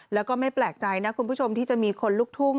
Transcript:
แล้วก็ไม่แปลกใจนะคุณผู้ชมที่จะมีคนลุกทุ่ง